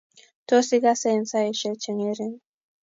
Tos, igasa eng saishek chengering?